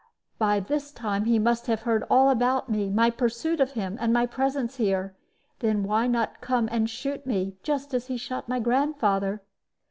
By this time he must have heard all about me, my pursuit of him, and my presence here then why not come and shoot me, just as he shot my grandfather?